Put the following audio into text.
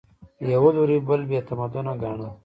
یوه لوري بل بې تمدنه ګاڼه